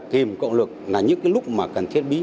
kìm cộng lực là những cái lúc mà cần thiết